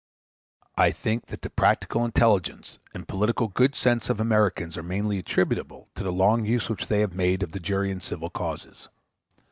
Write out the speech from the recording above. I think that the practical intelligence and political good sense of the Americans are mainly attributable to the long use which they have made of the jury in civil causes.